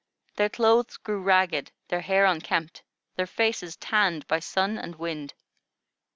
Their clothes grew ragged, their hair unkempt, their faces tanned by sun and wind.